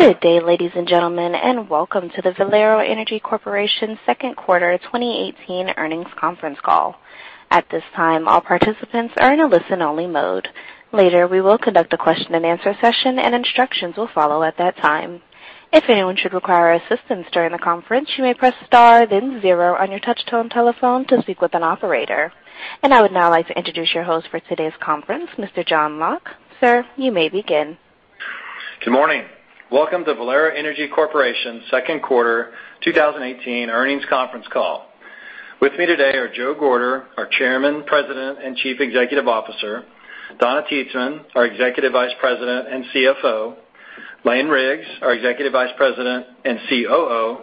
Good day, ladies and gentlemen, and welcome to the Valero Energy Corporation second quarter 2018 earnings conference call. At this time, all participants are in a listen-only mode. Later, we will conduct a question and answer session and instructions will follow at that time. If anyone should require assistance during the conference, you may press star then zero on your touch-tone telephone to speak with an operator. I would now like to introduce your host for today's conference, Mr. John Locke. Sir, you may begin. Good morning. Welcome to Valero Energy Corporation second quarter 2018 earnings conference call. With me today are Joe Gorder, our Chairman, President, and Chief Executive Officer. Donna Titzman, our Executive Vice President and CFO. Lane Riggs, our Executive Vice President and COO.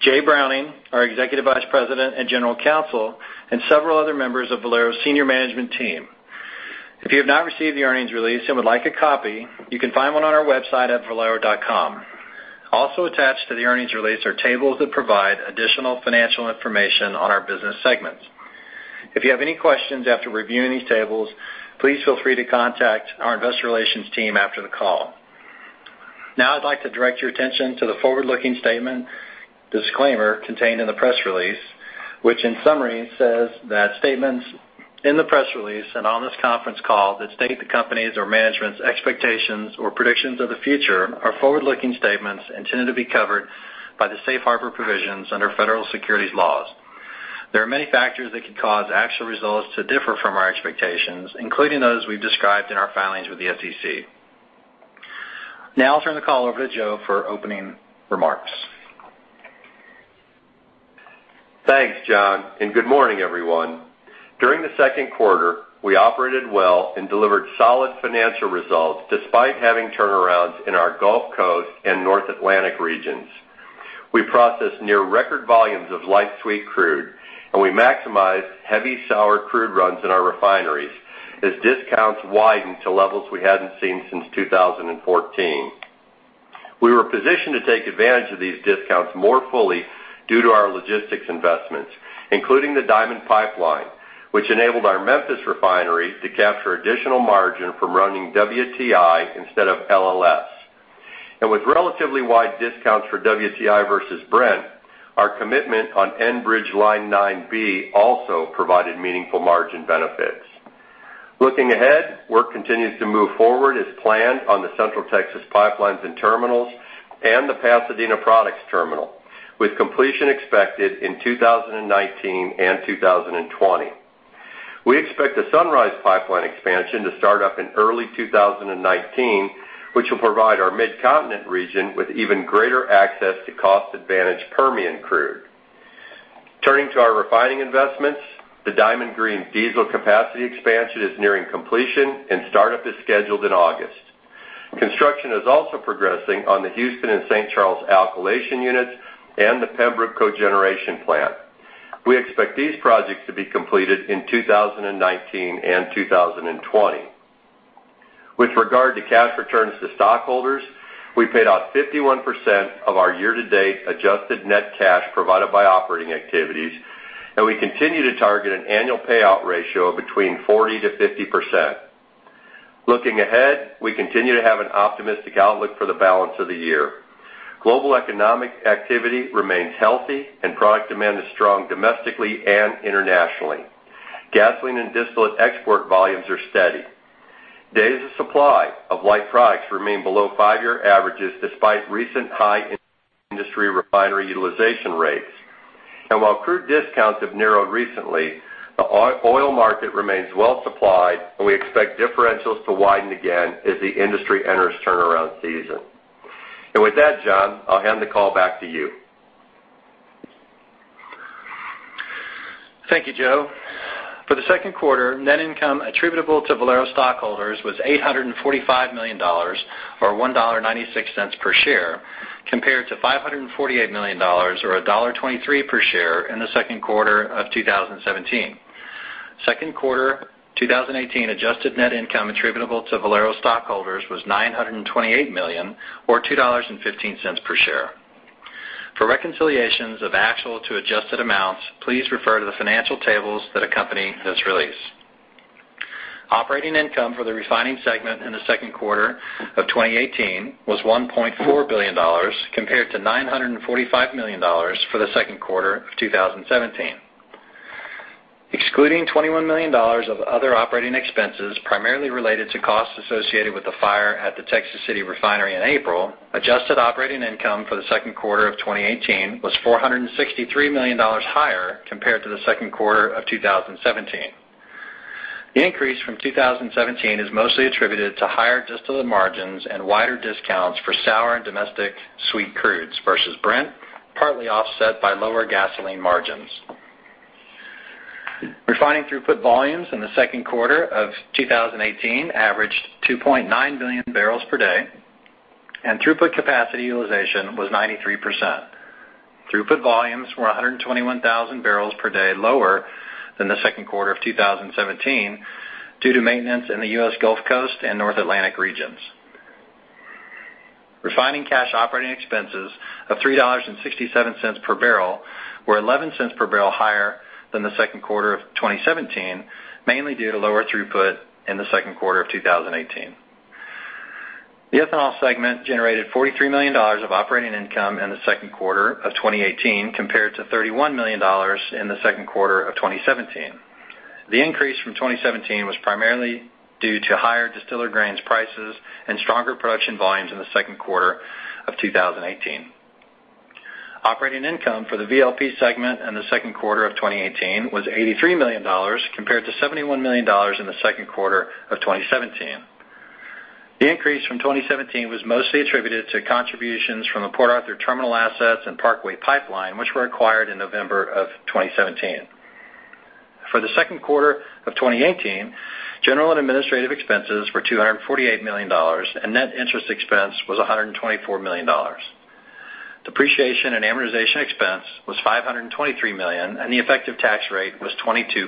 Jay Browning, our Executive Vice President and General Counsel, and several other members of Valero's senior management team. If you have not received the earnings release and would like a copy, you can find one on our website at valero.com. Also attached to the earnings release are tables that provide additional financial information on our business segments. If you have any questions after reviewing these tables, please feel free to contact our investor relations team after the call. Now I'd like to direct your attention to the forward-looking statement disclaimer contained in the press release, which in summary says that statements in the press release and on this conference call that state the company's or management's expectations or predictions of the future are forward-looking statements and intended to be covered by the safe harbor provisions under federal securities laws. There are many factors that could cause actual results to differ from our expectations, including those we've described in our filings with the SEC. Now I'll turn the call over to Joe for opening remarks. Thanks, John. Good morning, everyone. During the second quarter, we operated well and delivered solid financial results despite having turnarounds in our Gulf Coast and North Atlantic regions. We processed near record volumes of light sweet crude, and we maximized heavy sour crude runs in our refineries as discounts widened to levels we hadn't seen since 2014. We were positioned to take advantage of these discounts more fully due to our logistics investments, including the Diamond Pipeline, which enabled our Memphis refinery to capture additional margin from running WTI instead of LLS. With relatively wide discounts for WTI versus Brent, our commitment on Enbridge Line 9B also provided meaningful margin benefits. Looking ahead, work continues to move forward as planned on the central Texas pipelines and terminals and the Pasadena products terminal, with completion expected in 2019 and 2020. We expect the Sunrise Expansion pipeline to start up in early 2019, which will provide our Mid-Continent region with even greater access to cost-advantage Permian crude. Turning to our refining investments, the Diamond Green Diesel capacity expansion is nearing completion and startup is scheduled in August. Construction is also progressing on the Houston Alkylation Unit and St. Charles alkylation units and the Pembroke cogeneration plant. We expect these projects to be completed in 2019 and 2020. With regard to cash returns to stockholders, we paid out 51% of our year-to-date adjusted net cash provided by operating activities, and we continue to target an annual payout ratio of between 40%-50%. Looking ahead, we continue to have an optimistic outlook for the balance of the year. Global economic activity remains healthy and product demand is strong domestically and internationally. Gasoline and distillate export volumes are steady. Days of supply of light products remain below five-year averages despite recent high industry refinery utilization rates. While crude discounts have narrowed recently, the oil market remains well supplied, and we expect differentials to widen again as the industry enters turnaround season. With that, John, I'll hand the call back to you. Thank you, Joe. For the second quarter, net income attributable to Valero stockholders was $845 million, or $1.96 per share, compared to $548 million, or $1.23 per share in the second quarter of 2017. Second quarter 2018 adjusted net income attributable to Valero stockholders was $928 million or $2.15 per share. For reconciliations of actual to adjusted amounts, please refer to the financial tables that accompany this release. Operating income for the refining segment in the second quarter of 2018 was $1.4 billion compared to $945 million for the second quarter of 2017. Excluding $21 million of other operating expenses, primarily related to costs associated with the fire at the Texas City refinery in April, adjusted operating income for the second quarter of 2018 was $463 million higher compared to the second quarter of 2017. The increase from 2017 is mostly attributed to higher distillate margins and wider discounts for sour and domestic sweet crudes versus Brent, partly offset by lower gasoline margins. Refining throughput volumes in the second quarter of 2018 averaged 2.9 million barrels per day, and throughput capacity utilization was 93%. Throughput volumes were 121,000 barrels per day lower than the second quarter of 2017 due to maintenance in the U.S. Gulf Coast and North Atlantic regions. Refining cash operating expenses of $3.67 per barrel were $0.11 per barrel higher than the second quarter of 2017, mainly due to lower throughput in the second quarter of 2018. The ethanol segment generated $43 million of operating income in the second quarter of 2018, compared to $31 million in the second quarter of 2017. The increase from 2017 was primarily due to higher distiller grains prices and stronger production volumes in the second quarter of 2018. Operating income for the VLP segment in the second quarter of 2018 was $83 million, compared to $71 million in the second quarter of 2017. The increase from 2017 was mostly attributed to contributions from the Port Arthur terminal assets and Parkway Pipeline, which were acquired in November of 2017. For the second quarter of 2018, general and administrative expenses were $248 million, and net interest expense was $124 million. Depreciation and amortization expense was $523 million, and the effective tax rate was 22%.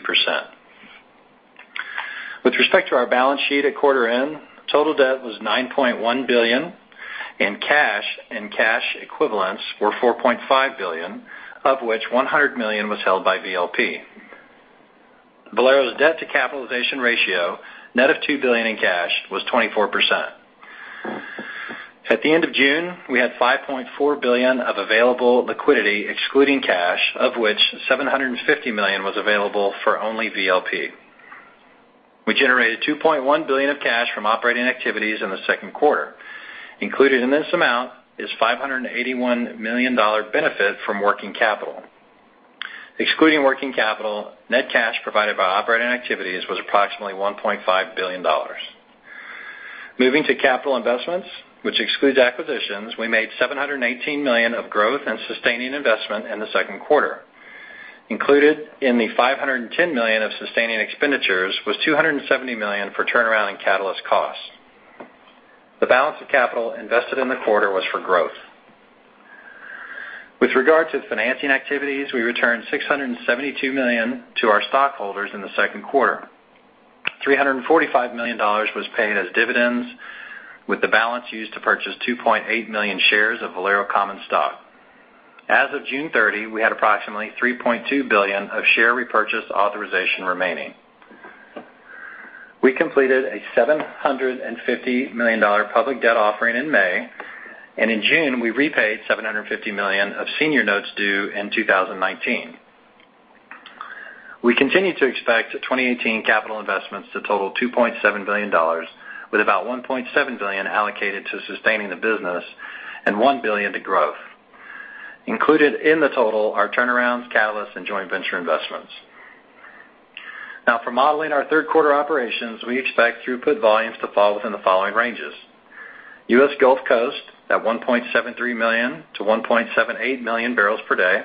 With respect to our balance sheet at quarter end, total debt was $9.1 billion, and cash and cash equivalents were $4.5 billion, of which $100 million was held by VLP. Valero's debt to capitalization ratio, net of $2 billion in cash, was 24%. At the end of June, we had $5.4 billion of available liquidity excluding cash, of which $750 million was available for only VLP. We generated $2.1 billion of cash from operating activities in the second quarter. Included in this amount is $581 million benefit from working capital. Excluding working capital, net cash provided by operating activities was approximately $1.5 billion. Moving to capital investments, which excludes acquisitions, we made $718 million of growth and sustaining investment in the second quarter. Included in the $510 million of sustaining expenditures was $270 million for turnaround and catalyst costs. The balance of capital invested in the quarter was for growth. With regard to financing activities, we returned $672 million to our stockholders in the second quarter. $345 million was paid as dividends, with the balance used to purchase 2.8 million shares of Valero common stock. As of June 30, we had approximately $3.2 billion of share repurchase authorization remaining. We completed a $750 million public debt offering in May, and in June we repaid $750 million of senior notes due in 2019. We continue to expect 2018 capital investments to total $2.7 billion, with about $1.7 billion allocated to sustaining the business and $1 billion to growth. Included in the total are turnarounds, catalysts, and joint venture investments. Now for modeling our third quarter operations, we expect throughput volumes to fall within the following ranges: U.S. Gulf Coast at 1.73 million to 1.78 million barrels per day,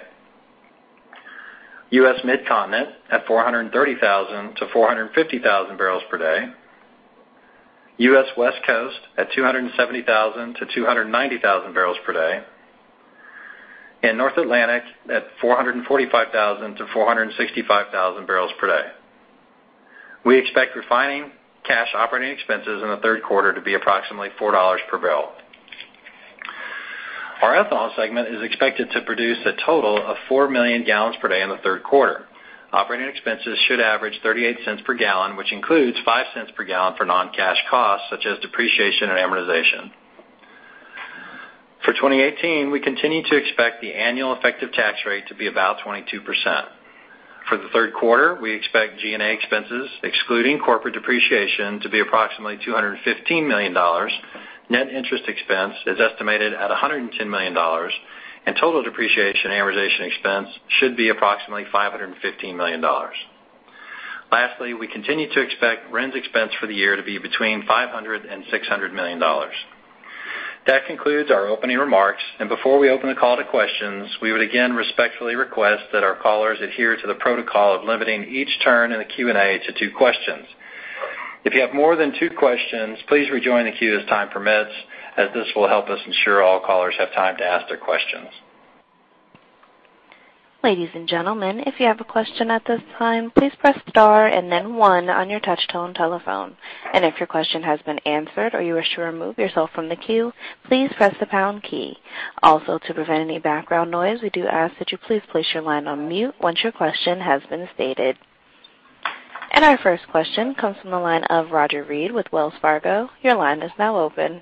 U.S. Midcontinent at 430,000 to 450,000 barrels per day, U.S. West Coast at 270,000 to 290,000 barrels per day, and North Atlantic at 445,000 to 465,000 barrels per day. We expect refining cash operating expenses in the third quarter to be approximately $4 per barrel. Our ethanol segment is expected to produce a total of 4 million gallons per day in the third quarter. Operating expenses should average $0.38 per gallon, which includes $0.05 per gallon for non-cash costs such as depreciation and amortization. For 2018, we continue to expect the annual effective tax rate to be about 22%. For the third quarter, we expect G&A expenses excluding corporate depreciation to be approximately $215 million. Net interest expense is estimated at $110 million, and total depreciation and amortization expense should be approximately $515 million. Lastly, we continue to expect RINs expense for the year to be between $500 million and $600 million. That concludes our opening remarks, and before we open the call to questions, we would again respectfully request that our callers adhere to the protocol of limiting each turn in the Q&A to two questions. If you have more than two questions, please rejoin the queue as time permits, as this will help us ensure all callers have time to ask their questions. Ladies and gentlemen, if you have a question at this time, please press star and then one on your touch-tone telephone. If your question has been answered or you wish to remove yourself from the queue, please press the pound key. To prevent any background noise, we do ask that you please place your line on mute once your question has been stated. Our first question comes from the line of Roger Read with Wells Fargo. Your line is now open.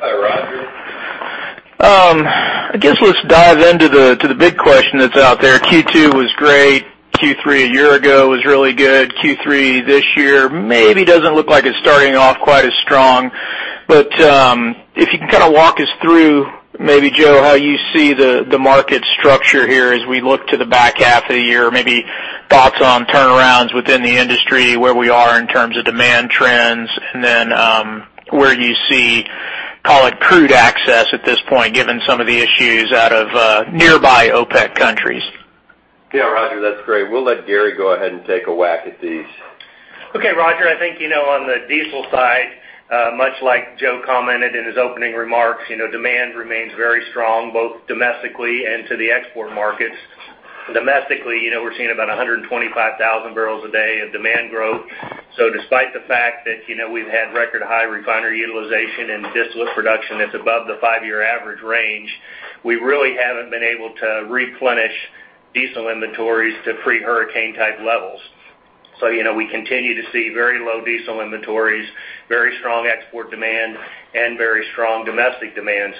Hi, Roger. I guess let's dive into the big question that's out there. Q2 was great. Q3 a year ago was really good. Q3 this year maybe doesn't look like it's starting off quite as strong. If you can walk us through, maybe, Joe, how you see the market structure here as we look to the back half of the year. Maybe thoughts on turnarounds within the industry, where we are in terms of demand trends, and then where you see crude access at this point, given some of the issues out of nearby OPEC countries. Yeah, Roger, that's great. We'll let Gary go ahead and take a whack at these. Okay, Roger, I think on the diesel side, much like Joe commented in his opening remarks, demand remains very strong both domestically and to the export markets. Domestically, we're seeing about 125,000 barrels a day of demand growth. Despite the fact that we've had record high refinery utilization and distillate production that's above the five-year average range, we really haven't been able to replenish diesel inventories to pre-hurricane type levels. We continue to see very low diesel inventories, very strong export demand, and very strong domestic demand.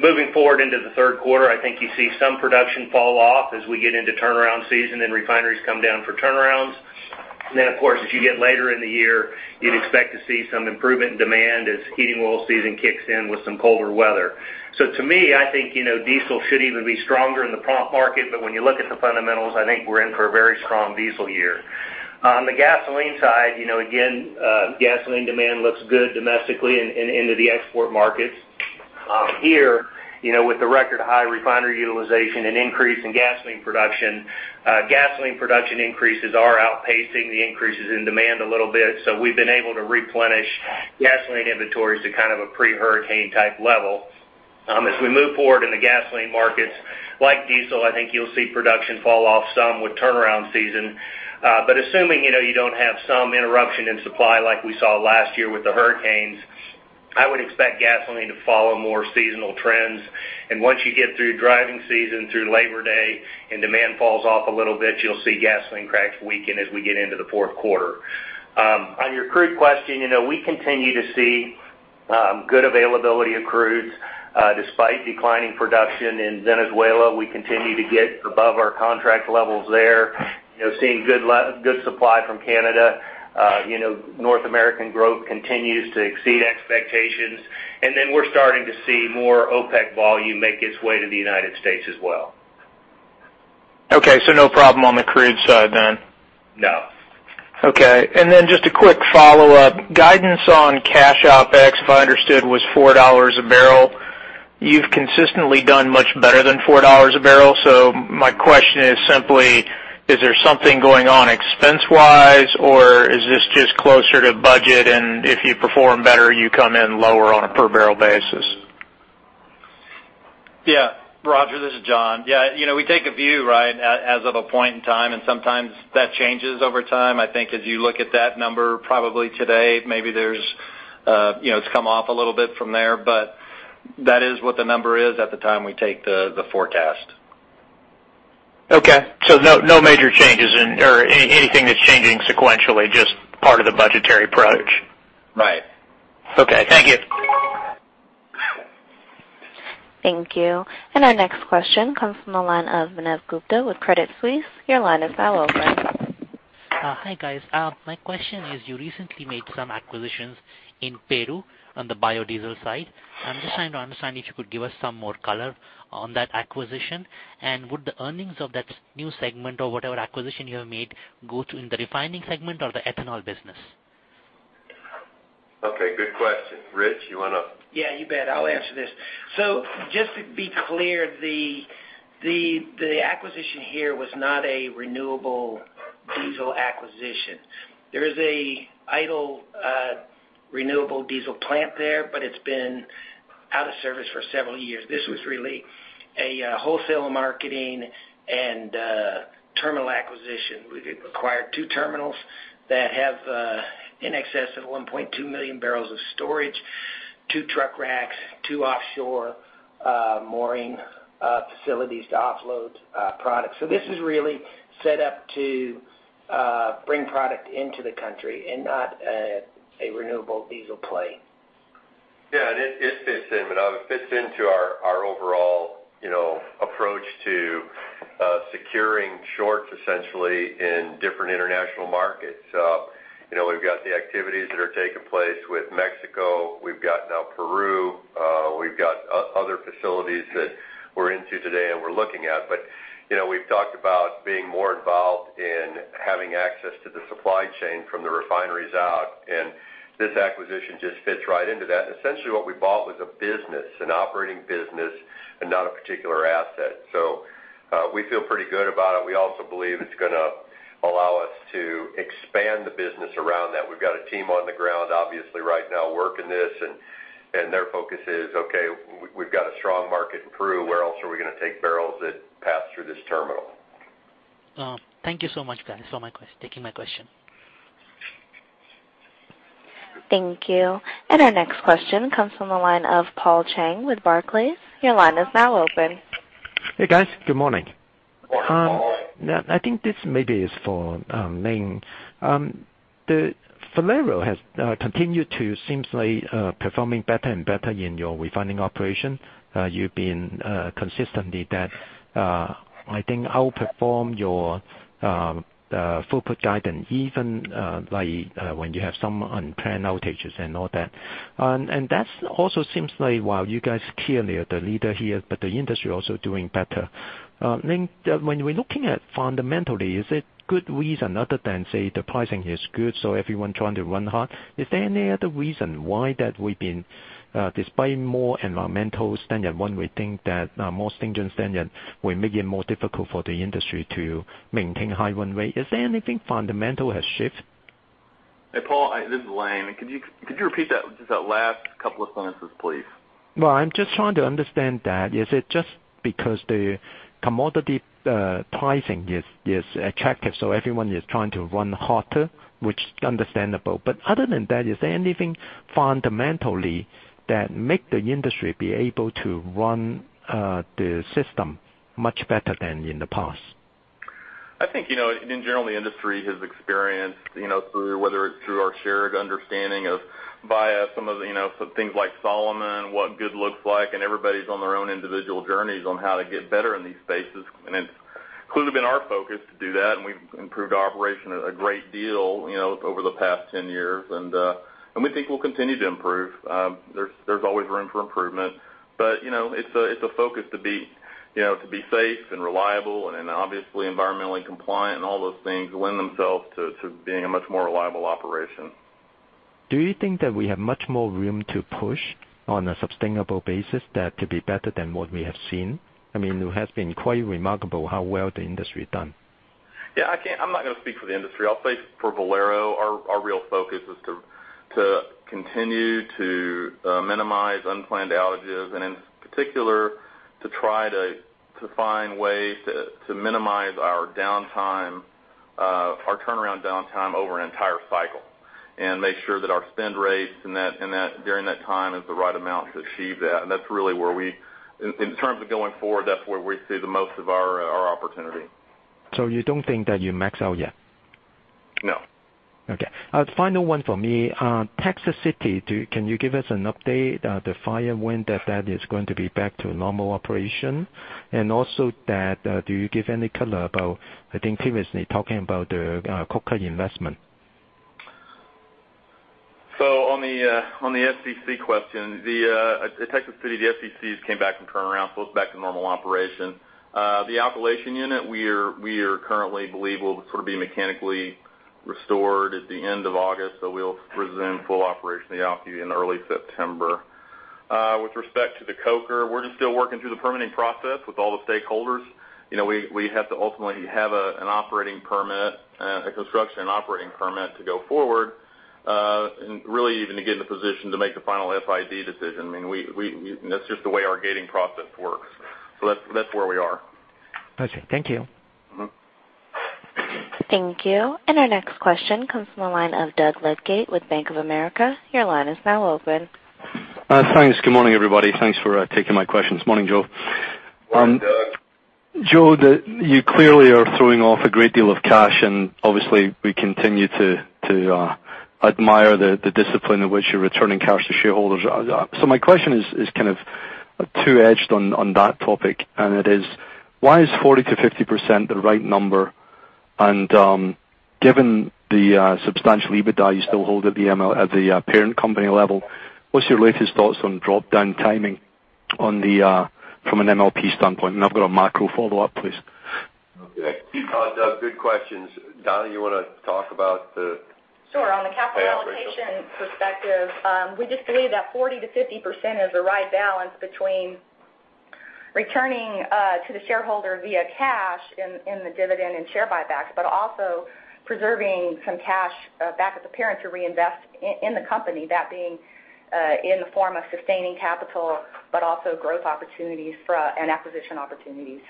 Moving forward into the third quarter, I think you see some production fall off as we get into turnaround season and refineries come down for turnarounds. Of course, as you get later in the year, you'd expect to see some improvement in demand as heating oil season kicks in with some colder weather. To me, I think, diesel should even be stronger in the prompt market. When you look at the fundamentals, I think we're in for a very strong diesel year. On the gasoline side, again, gasoline demand looks good domestically and into the export markets. Here, with the record high refinery utilization and increase in gasoline production, gasoline production increases are outpacing the increases in demand a little bit. We've been able to replenish gasoline inventories to kind of a pre-hurricane type level. As we move forward in the gasoline markets, like diesel, I think you'll see production fall off some with turnaround season. Assuming you don't have some interruption in supply like we saw last year with the hurricanes, I would expect gasoline to follow more seasonal trends. Once you get through driving season, through Labor Day, and demand falls off a little bit, you'll see gasoline cracks weaken as we get into the fourth quarter. On your crude question, we continue to see good availability of crudes. Despite declining production in Venezuela, we continue to get above our contract levels there. Seeing good supply from Canada. North American growth continues to exceed expectations. We're starting to see more OPEC volume make its way to the United States as well. Okay. No problem on the crude side then? No. Okay. Just a quick follow-up. Guidance on cash OpEx, if I understood, was $4 a barrel. You've consistently done much better than $4 a barrel. My question is simply, is there something going on expense-wise, or is this just closer to budget and if you perform better, you come in lower on a per barrel basis? Roger, this is John. We take a view right as of a point in time, and sometimes that changes over time. I think as you look at that number probably today, maybe it's come off a little bit from there, but that is what the number is at the time we take the forecast. Okay. No major changes or anything that's changing sequentially, just part of the budgetary approach. Right. Okay. Thank you. Thank you. Our next question comes from the line of Manav Gupta with Credit Suisse. Your line is now open. Hi, guys. My question is, you recently made some acquisitions in Peru on the biodiesel side. I'm just trying to understand if you could give us some more color on that acquisition. Would the earnings of that new segment or whatever acquisition you have made go to in the refining segment or the ethanol business? Okay. Good question. Rich, you want to? Yeah, you bet. I'll answer this. Just to be clear, the acquisition here was not a renewable diesel acquisition. There is an idle renewable diesel plant there, but it's been out of service for several years. This was really a wholesale marketing and terminal acquisition. We acquired two terminals that have in excess of 1.2 million barrels of storage, two truck racks, two offshore mooring facilities to offload products. This is really set up to bring product into the country and not a renewable diesel play. Yeah. It fits in, Manav. It fits into our overall approach to securing shorts essentially in different international markets. We've got the activities that are taking place with Mexico. We've got now Peru. We've got other facilities that we're into today and we're looking at. We've talked about being more involved in having access to the supply chain from the refineries out, this acquisition just fits right into that. Essentially what we bought was a business, an operating business, and not a particular asset. We feel pretty good about it. We also believe it's going to allow us to expand the business around that. We've got a team on the ground obviously right now working this, and their focus is, okay, we've got a strong market in Peru. Where else are we going to take barrels that pass through this terminal? Thank you so much, guys, for taking my question. Thank you. Our next question comes from the line of Paul Cheng with Barclays. Your line is now open. Hey, guys. Good morning. Good morning. I think this maybe is for Lane. Valero has continued to seemingly performing better and better in your refining operation. You've been consistently that, I think, outperform your throughput guidance even by when you have some unplanned outages and all that. That also seems like while you guys clearly are the leader here, but the industry also doing better. Lane, when we're looking at fundamentally, is it good reason other than, say, the pricing is good, so everyone trying to run hard. Is there any other reason why that we've been despite more environmental standard when we think that more stringent standard will make it more difficult for the industry to maintain high run rate. Is there anything fundamental has shift? Hey, Paul, this is Lane. Could you repeat just that last couple of sentences, please? I'm just trying to understand that. Is it just because the commodity pricing is attractive, so everyone is trying to run hotter? Which is understandable. Other than that, is there anything fundamentally that make the industry be able to run the system much better than in the past? I think, in general, the industry has experienced, whether it's through our shared understanding of via some things like Solomon, what good looks like, and everybody's on their own individual journeys on how to get better in these spaces. It's clearly been our focus to do that, and we've improved our operation a great deal over the past 10 years. We think we'll continue to improve. There's always room for improvement. It's a focus to be safe and reliable and obviously environmentally compliant, and all those things lend themselves to being a much more reliable operation. Do you think that we have much more room to push on a sustainable basis that could be better than what we have seen? It has been quite remarkable how well the industry has done. Yeah. I'm not going to speak for the industry. I'll say for Valero, our real focus is to continue to minimize unplanned outages, and in particular, to try to find ways to minimize our turnaround downtime over an entire cycle. Make sure that our spend rates during that time is the right amount to achieve that. In terms of going forward, that's where we see the most of our opportunity. You don't think that you max out yet? No. Okay. Final one from me. Texas City, can you give us an update? The fire, when that is going to be back to normal operation? Also, do you give any color about, I think previously talking about the coker investment. On the FCC question, the Texas City, the FCCs came back from turnaround, so it's back to normal operation. The alkylation unit, we currently believe will sort of be mechanically restored at the end of August, so we'll resume full operation of the alky in early September. With respect to the coker, we're just still working through the permitting process with all the stakeholders. We have to ultimately have a construction and operating permit to go forward, and really even to get in a position to make a final FID decision. That's just the way our gating process works. That's where we are. Okay. Thank you. Thank you. Our next question comes from the line of Doug Leggate with Bank of America. Your line is now open. Thanks. Good morning, everybody. Thanks for taking my questions. Morning, Joe. Morning, Doug. Joe, you clearly are throwing off a great deal of cash, obviously, we continue to admire the discipline in which you're returning cash to shareholders. My question is kind of two-edged on that topic, and it is: why is 40%-50% the right number? Given the substantial EBITDA you still hold at the parent company level, what's your latest thoughts on drop-down timing from an MLP standpoint? I've got a macro follow-up, please. Okay. Doug, good questions. Donna, you want to talk about the- Sure. On the capital allocation perspective, we just believe that 40%-50% is the right balance between returning to the shareholder via cash in the dividend and share buybacks, but also preserving some cash back at the parent to reinvest in the company, that being in the form of sustaining capital, but also growth opportunities and acquisition opportunities.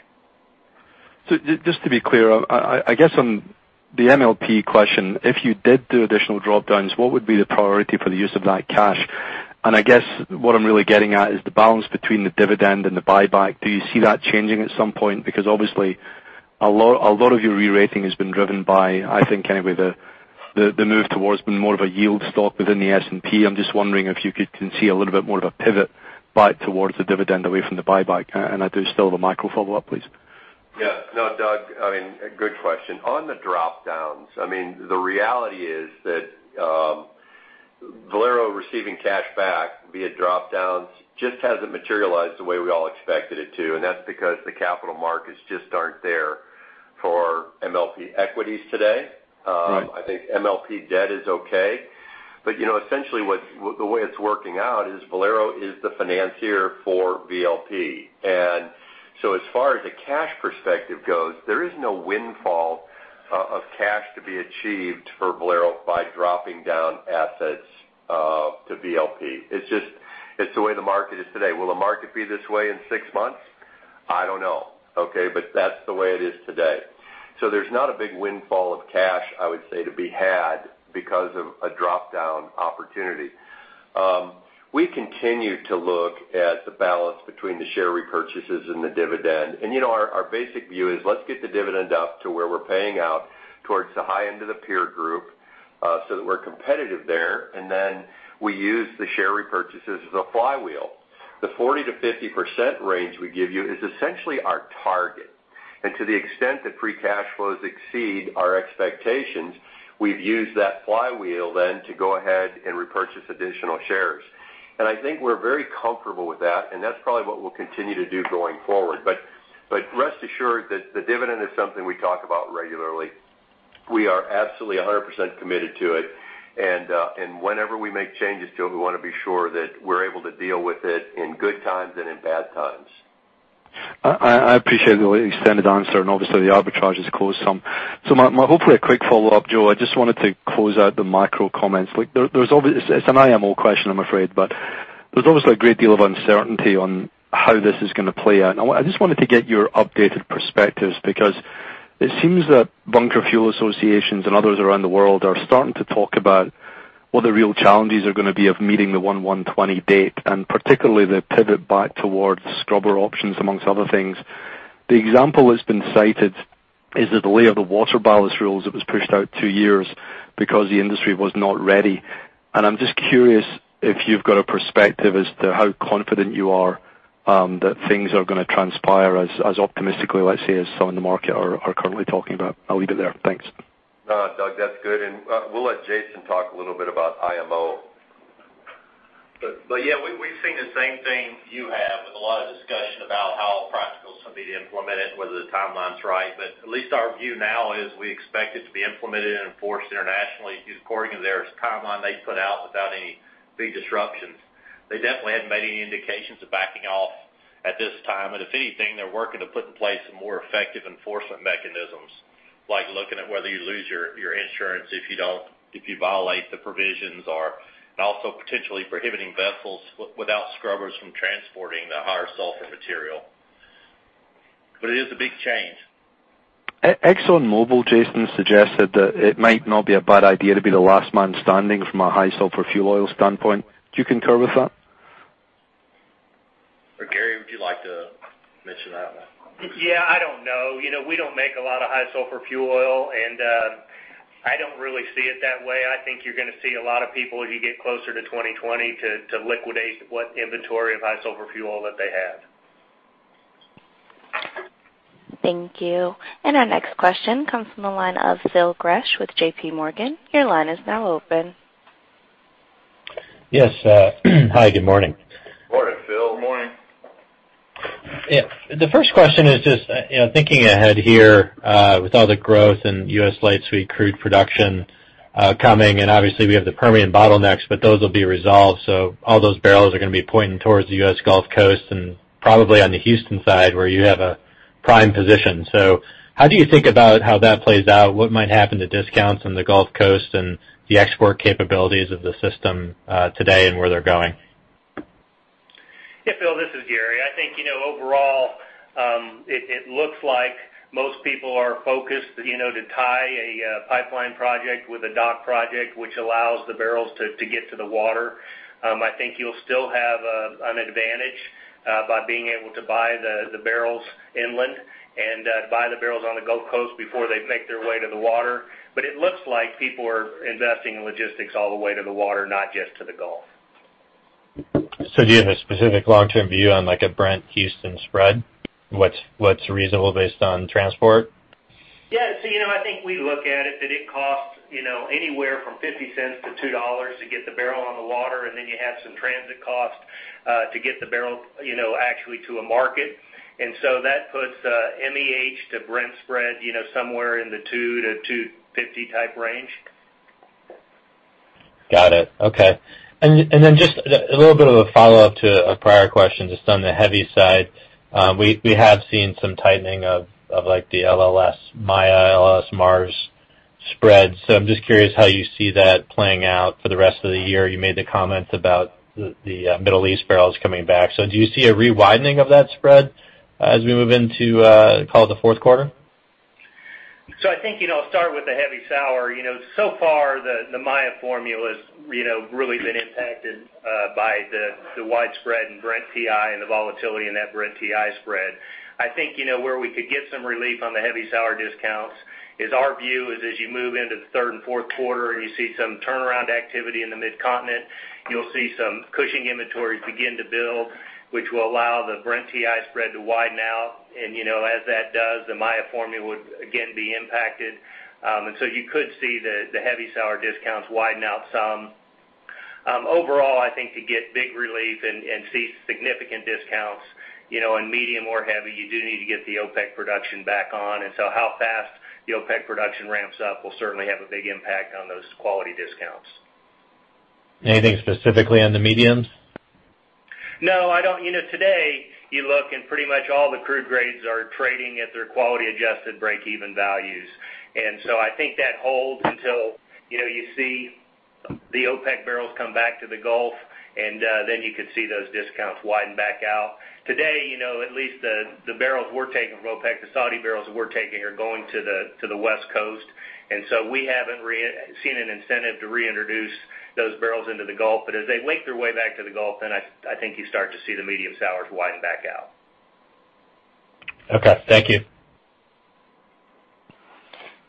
Just to be clear, I guess on the MLP question, if you did do additional drop-downs, what would be the priority for the use of that cash? I guess what I'm really getting at is the balance between the dividend and the buyback. Do you see that changing at some point? Because obviously a lot of your re-rating has been driven by, I think anyway, the move towards being more of a yield stock within the S&P. I'm just wondering if you can see a little bit more of a pivot back towards the dividend away from the buyback. I do still have a micro follow-up, please. Yeah. No, Doug, good question. On the drop-downs, the reality is that Valero receiving cash back via drop-downs just hasn't materialized the way we all expected it to, and that's because the capital markets just aren't there for MLP equities today. Right. I think MLP debt is okay. Essentially, the way it's working out is Valero is the financier for VLP. As far as the cash perspective goes, there is no windfall of cash to be achieved for Valero by dropping down assets to VLP. The way the market is today. The market be this way in 6 months? I don't know, okay? That's the way it is today. So there's not a big windfall of cash, I would say, to be had because of a drop-down opportunity. We continue to look at the balance between the share repurchases and the dividend. Our basic view is let's get the dividend up to where we're paying out towards the high end of the peer group so that we're competitive there, and then we use the share repurchases as a flywheel. The 40%-50% range we give you is essentially our target. To the extent that free cash flows exceed our expectations, we've used that flywheel then to go ahead and repurchase additional shares. I think we're very comfortable with that, and that's probably what we'll continue to do going forward. Rest assured that the dividend is something we talk about regularly. We are absolutely 100% committed to it, and whenever we make changes to it, we want to be sure that we're able to deal with it in good times and in bad times. I appreciate the extended answer. Obviously the arbitrage has closed some. So hopefully a quick follow-up, Joe, I just wanted to close out the macro comments. It's an IMO question, I'm afraid, but there's obviously a great deal of uncertainty on how this is going to play out. I just wanted to get your updated perspectives, because it seems that bunker fuel associations and others around the world are starting to talk about what the real challenges are going to be of meeting the 1/1/2020 date, and particularly the pivot back towards scrubber options, amongst other things. The example that's been cited is the delay of the water ballast rules that was pushed out 2 years because the industry was not ready. I'm just curious if you've got a perspective as to how confident you are that things are going to transpire as optimistically, let's say, as some in the market are currently talking about. I'll leave it there. Thanks. No, Doug, that's good. We'll let Jason talk a little bit about IMO. Yeah, we've seen the same thing you have with a lot of discussion about how practical it's going to be to implement it, whether the timeline's right. At least our view now is we expect it to be implemented and enforced internationally according to their timeline they put out without any big disruptions. They definitely hadn't made any indications of backing off at this time, if anything, they're working to put in place some more effective enforcement mechanisms, like looking at whether you lose your insurance if you violate the provisions or also potentially prohibiting vessels without scrubbers from transporting the higher sulfur material. It is a big change. ExxonMobil, Jason, suggested that it might not be a bad idea to be the last man standing from a high sulfur fuel oil standpoint. Do you concur with that? Gary, would you like to mention that one? Yeah, I don't know. We don't make a lot of high sulfur fuel oil, and I don't really see it that way. I think you're going to see a lot of people, as you get closer to 2020, to liquidate what inventory of high sulfur fuel that they have. Thank you. Our next question comes from the line of Phil Gresh with JPMorgan. Your line is now open. Yes. Hi, good morning. Morning, Phil. Morning. The first question is just thinking ahead here with all the growth in U.S. light sweet crude production coming. Obviously we have the Permian bottlenecks, but those will be resolved. All those barrels are going to be pointing towards the U.S. Gulf Coast and probably on the Houston side, where you have a prime position. How do you think about how that plays out? What might happen to discounts on the Gulf Coast and the export capabilities of the system today and where they're going? Phil, this is Gary. I think, overall, it looks like most people are focused to tie a pipeline project with a dock project, which allows the barrels to get to the water. I think you'll still have an advantage by being able to buy the barrels inland and buy the barrels on the Gulf Coast before they make their way to the water. It looks like people are investing in logistics all the way to the water, not just to the Gulf. Do you have a specific long-term view on, like, a Brent Houston spread? What's reasonable based on transport? I think we look at it that it costs anywhere from $0.50 to $2 to get the barrel on the water, then you have some transit cost to get the barrel actually to a market. That puts MEH to Brent spread somewhere in the $2-$2.50 type range. Got it. Okay. Just a little bit of a follow-up to a prior question, just on the heavy side. We have seen some tightening of the LLS, Maya, LLS, Mars spread. I'm just curious how you see that playing out for the rest of the year. You made the comment about the Middle East barrels coming back. Do you see a rewidening of that spread as we move into, call it the fourth quarter? I think, I'll start with the heavy sour. Far the Maya formula has really been impacted by the widespread and Brent-WTI and the volatility in that Brent-WTI spread. I think where we could get some relief on the heavy sour discounts is our view is as you move into the third and fourth quarter and you see some turnaround activity in the mid-continent, you'll see some Cushing inventories begin to build, which will allow the Brent-WTI spread to widen out. As that does, the Maya formula would again be impacted. You could see the heavy sour discounts widen out some. Overall, I think to get big relief and see significant discounts in medium or heavy, you do need to get the OPEC production back on. How fast the OPEC production ramps up will certainly have a big impact on those quality discounts. Anything specifically on the mediums? No, I don't. Today, pretty much all the crude grades are trading at their quality adjusted break-even values. I think that holds until you see the OPEC barrels come back to the Gulf, then you could see those discounts widen back out. Today, at least the barrels we're taking from OPEC, the Saudi barrels that we're taking are going to the West Coast. We haven't seen an incentive to reintroduce those barrels into the Gulf. As they make their way back to the Gulf, then I think you start to see the medium sours widen back out. Okay. Thank you.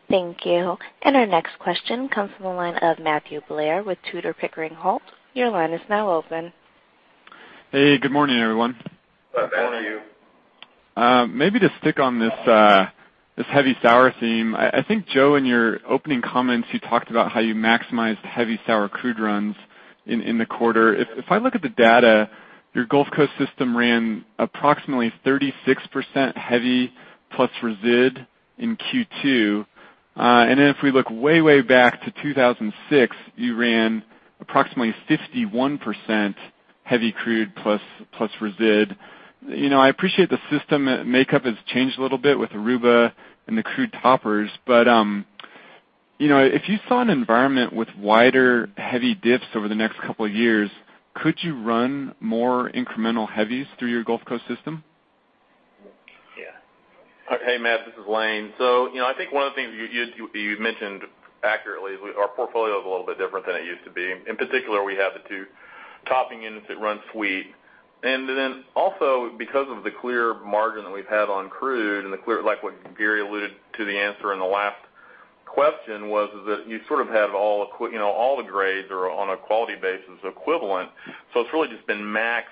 Thank you. Our next question comes from the line of Matthew Blair with Tudor, Pickering, Holt. Your line is now open. Hey, good morning, everyone. Good morning. Morning. Maybe to stick on this heavy sour theme. I think, Joe, in your opening comments, you talked about how you maximized the heavy sour crude runs in the quarter. If I look at the data, your Gulf Coast system ran approximately 36% heavy plus resid in Q2. Then if we look way back to 2006, you ran approximately 51% heavy crude plus resid. I appreciate the system makeup has changed a little bit with Aruba and the crude toppers. If you saw an environment with wider heavy diffs over the next couple of years, could you run more incremental heavies through your Gulf Coast system? Yeah. Hey, Matt, this is Lane. I think one of the things you mentioned accurately is our portfolio is a little bit different than it used to be. In particular, we have the two topping units that run sweet. Also because of the clear margin that we've had on crude and the clear like what Gary alluded to the answer in the last question was that you sort of have all the grades are on a quality basis equivalent. It's really just been max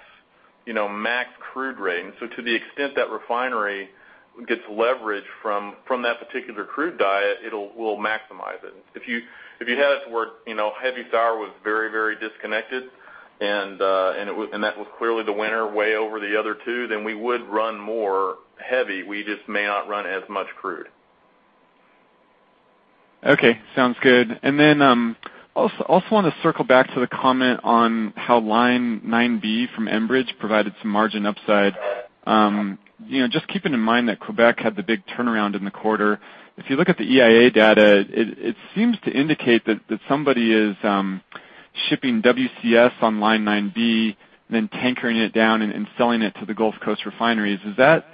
crude rate. To the extent that refinery gets leverage from that particular crude diet, we'll maximize it. If you had it to where heavy sour was very disconnected and that was clearly the winner way over the other two, then we would run more heavy. We just may not run as much crude. Okay, sounds good. Also want to circle back to the comment on how Line 9B from Enbridge provided some margin upside. Just keeping in mind that Quebec had the big turnaround in the quarter. If you look at the EIA data, it seems to indicate that somebody is shipping WCS on Line 9B, then tankering it down and selling it to the Gulf Coast refineries. Is that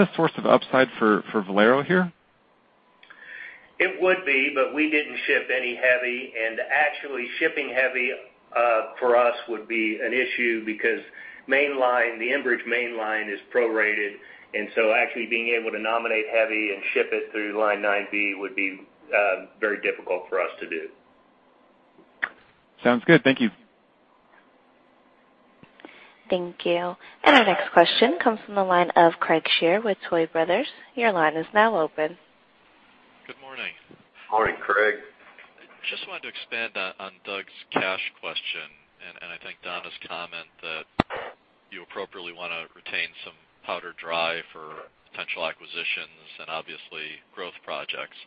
a source of upside for Valero here? It would be, but we didn't ship any heavy. Actually shipping heavy, for us, would be an issue because mainline, the Enbridge mainline, is prorated. Actually being able to nominate heavy and ship it through Line 9B would be very difficult for us to do. Sounds good. Thank you. Thank you. Our next question comes from the line of Craig Shere with Tuohy Brothers. Your line is now open. Good morning. Morning, Craig. Just wanted to expand on Doug's cash question and I think Donna's comment that you appropriately want to retain some powder dry for potential acquisitions and obviously growth projects.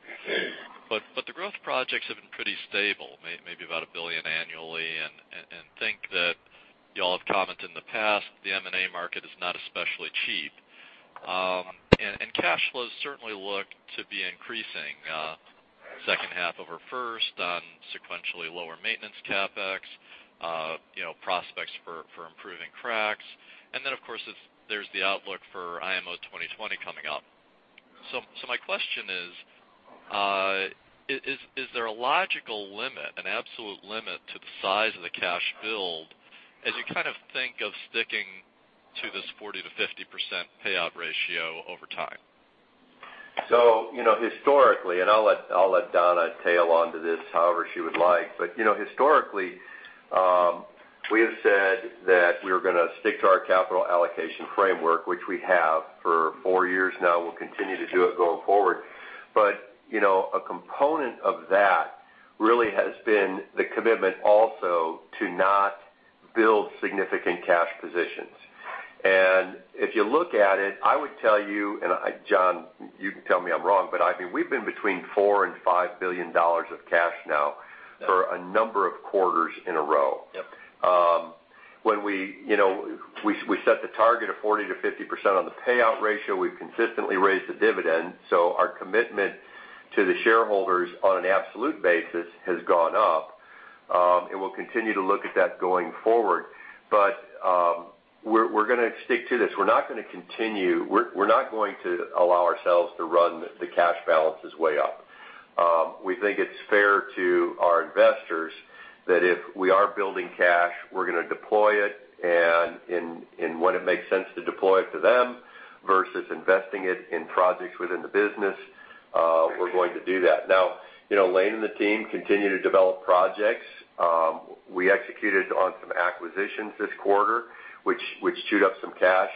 The growth projects have been pretty stable, maybe about $1 billion annually, and think that you all have commented in the past, the M&A market is not especially cheap. Cash flows certainly look to be increasing second half over first on sequentially lower maintenance CapEx, prospects for improving cracks. Then, of course, there's the outlook for IMO 2020 coming up. My question is: is there a logical limit, an absolute limit to the size of the cash build as you kind of think of sticking to this 40%-50% payout ratio over time? Historically, and I'll let Donna tail onto this however she would like, historically, we have said that we were going to stick to our capital allocation framework, which we have for four years now. We'll continue to do it going forward. A component of that really has been the commitment also to not build significant cash positions. If you look at it, I would tell you, and John, you can tell me I'm wrong, but I think we've been between $4 billion-$5 billion of cash now for a number of quarters in a row. Yep. We set the target of 40%-50% on the payout ratio. We've consistently raised the dividend. Our commitment to the shareholders on an absolute basis has gone up. We'll continue to look at that going forward. We're going to stick to this. We're not going to allow ourselves to run the cash balances way up. We think it's fair to our investors that if we are building cash, we're going to deploy it and when it makes sense to deploy it to them versus investing it in projects within the business, we're going to do that. Lane and the team continue to develop projects. We executed on some acquisitions this quarter, which chewed up some cash.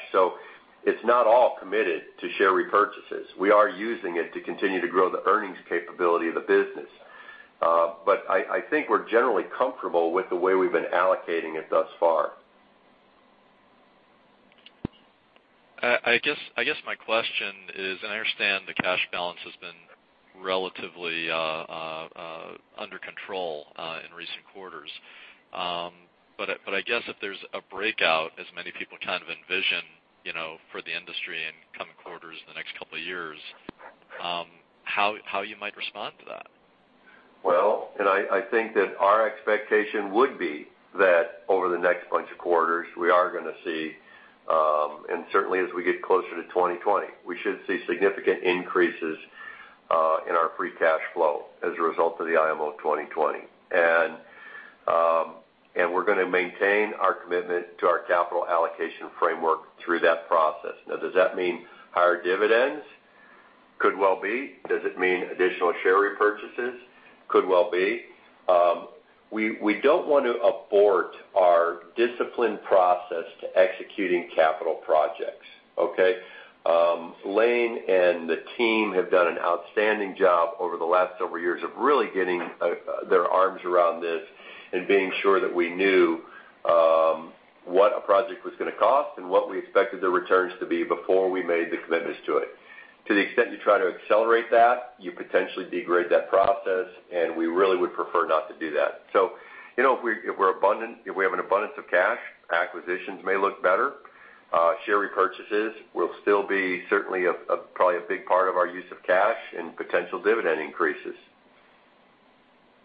It's not all committed to share repurchases. We are using it to continue to grow the earnings capability of the business. I think we're generally comfortable with the way we've been allocating it thus far. My question is, and I understand the cash balance has been relatively under control in recent quarters. If there's a breakout as many people kind of envision for the industry in coming quarters in the next couple of years, how you might respond to that? I think that our expectation would be that over the next bunch of quarters, we are going to see, and certainly as we get closer to 2020, we should see significant increases in our free cash flow as a result of the IMO 2020. We're going to maintain our commitment to our capital allocation framework through that process. Does that mean higher dividends? Could well be. Does it mean additional share repurchases? Could well be. We don't want to abort our disciplined process to executing capital projects, okay? Lane and the team have done an outstanding job over the last several years of really getting their arms around this and being sure that we knew Was going to cost and what we expected the returns to be before we made the commitments to it. To the extent you try to accelerate that, you potentially degrade that process, and we really would prefer not to do that. If we have an abundance of cash, acquisitions may look better. Share repurchases will still be certainly probably a big part of our use of cash and potential dividend increases.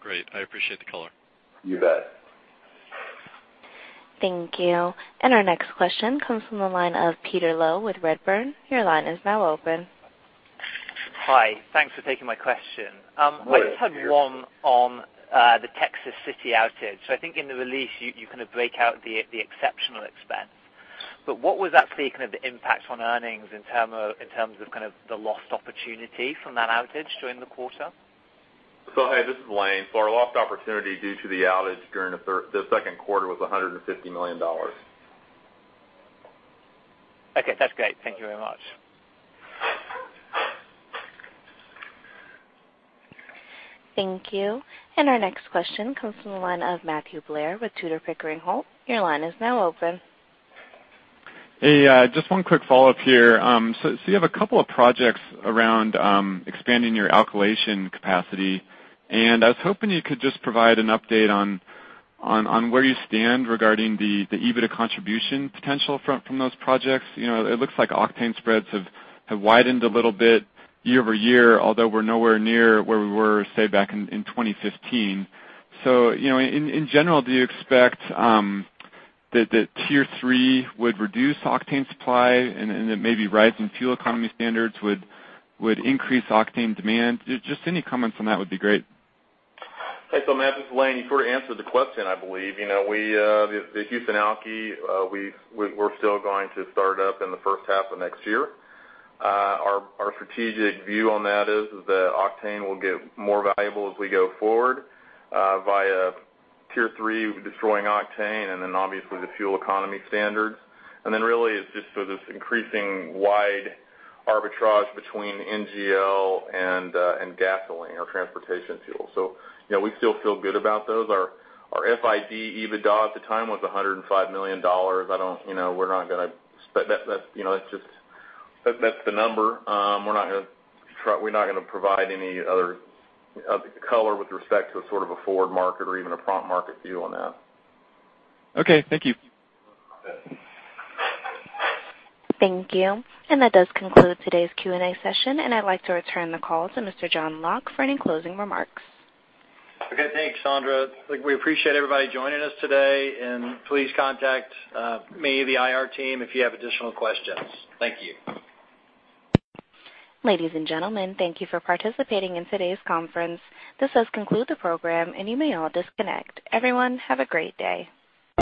Great. I appreciate the color. You bet. Thank you. Our next question comes from the line of Peter Low with Redburn. Your line is now open. Hi. Thanks for taking my question. Hi, Peter. I just had one on the Texas City outage. I think in the release you kind of break out the exceptional expense, but what was actually the impact on earnings in terms of the lost opportunity from that outage during the quarter? Hey, this is Lane. Our lost opportunity due to the outage during the second quarter was $150 million. Okay, that's great. Thank you very much. Thank you. Our next question comes from the line of Matthew Blair with Tudor, Pickering, Holt. Your line is now open. Hey, just one quick follow-up here. You have a couple of projects around expanding your alkylation capacity, and I was hoping you could just provide an update on where you stand regarding the EBITDA contribution potential from those projects. It looks like octane spreads have widened a little bit year-over-year, although we're nowhere near where we were, say, back in 2015. In general, do you expect that Tier 3 would reduce octane supply and that maybe rising fuel economy standards would increase octane demand? Just any comments on that would be great. Hey, Matt, this is Lane. You sort of answered the question, I believe. The Houston Alky, we're still going to start up in the first half of next year. Our strategic view on that is that octane will get more valuable as we go forward via Tier 3 destroying octane and then obviously the fuel economy standards. Really it's just this increasing wide arbitrage between NGL and gasoline or transportation fuel. We still feel good about those. Our FID EBITDA at the time was $105 million. That's the number. We're not going to provide any other color with respect to a sort of a forward market or even a prompt market view on that. Okay, thank you. You bet. Thank you. That does conclude today's Q&A session. I'd like to return the call to Mr. John Locke for any closing remarks. Okay, thanks, Sandra. We appreciate everybody joining us today, and please contact me or the IR team if you have additional questions. Thank you. Ladies and gentlemen, thank you for participating in today's conference. This does conclude the program, and you may all disconnect. Everyone, have a great day.